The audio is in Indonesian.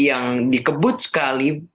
yang dikebut sekali